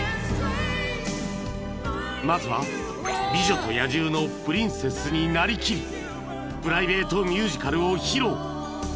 ［まずは『美女と野獣』のプリンセスになりきりプライベートミュージカルを披露］